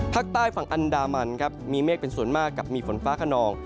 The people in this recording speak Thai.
ภาคใต้ฝั่งอันดามันครับมีเมฆเป็นส่วนมากกับมีฝนฟ้าขนอง